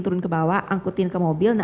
turun ke bawah angkutin ke mobil